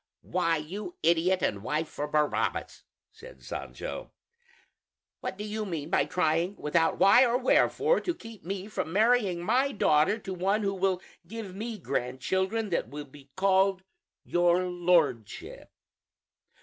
"Why, you idiot and wife for Barabbas," said Sancho, "what do you mean by trying, without why or wherefore, to keep me from marrying my daughter to one who will give me grandchildren that will be called 'your Lordship'?